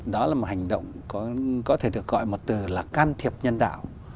đó là một hành động có thể được gọi một từ là can thiệp nhân đạo